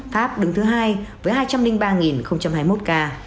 pháp đứng thứ hai với hai trăm linh ba hai mươi một ca